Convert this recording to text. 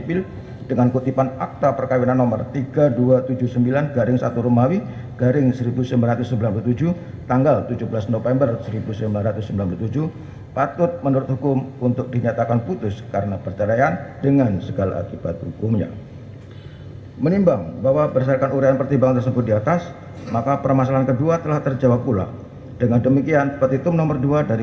pertama penggugat akan menerjakan waktu yang cukup untuk menerjakan si anak anak tersebut yang telah menjadi ilustrasi